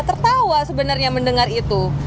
tertawa sebenarnya mendengar itu